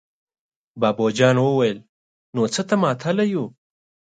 بابو جان وويل: نو څه ته ماتله يو!